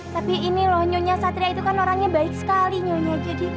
tapi ini loh nyonya satria itu kan orangnya baik sekali nyonya